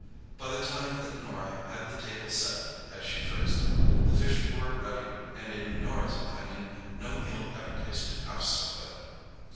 By the time that Norah had "the table set," as she phrased it, the fish were ready, and in Norah's opinion no meal ever tasted half so good.